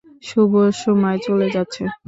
শুভ সময় চলে যাচ্ছে।